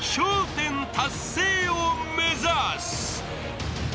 １０達成を目指す］